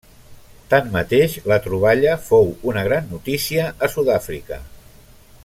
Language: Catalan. Tanmateix, la troballa fou una gran notícia a Sud-àfrica.